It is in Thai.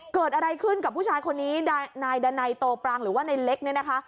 เกิดอะไรขึ้นกับผู้ชายคนนี้นายดันัยโตปรางหรือว่าในเล็กเนี่ยนะคะ